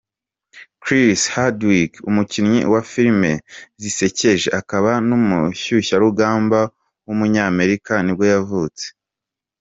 Chris Hardwick, umukinnyi wa filime zisekeje akaba n’umushyushyarugamba w’umunyamerika nibwo yavutse.